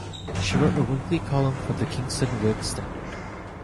She wrote a weekly column for the "Kingston Whig-Standard".